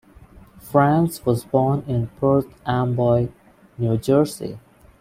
Franz was born in Perth Amboy, New Jersey.